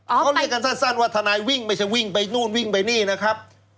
เขาเรียกกันสั้นว่าทนายวิ่งไม่ใช่วิ่งไปนู่นวิ่งไปนี่นะครับ